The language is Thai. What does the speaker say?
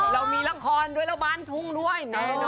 เรามีละครด้วยแล้วบ้านทุ่งด้วย